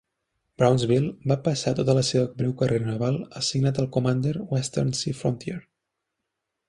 "Brownsville" va passar tota la seva breu carrera naval assignat al commander, Western Sea Frontier.